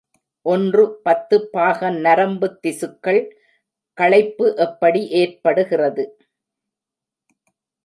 ஒன்று பத்து பாகம் நரம்புத் திசுக்கள் களைப்பு எப்படி ஏற்படுகிறது.